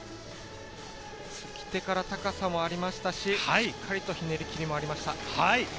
つき手から高さもありましたし、しっかりとひねり切りもありました。